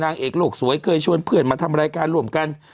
นางเอกโลกสวยเคยชวนเพื่อนมาทำรายการร่วมกัน